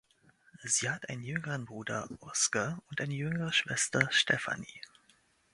Sie hat einen jüngeren Bruder Oscar und eine jüngere Schwester Stephanie.